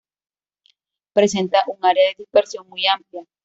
Presenta un área de dispersión muy amplia.